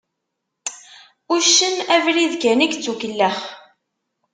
Uccen, abrid kan i yettukellex.